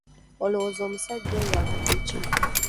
Olowooza omusajja oyo abadde ki?